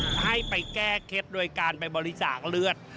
ให้ไปแก้เคล็ดโดยการไปบริจาคเลือด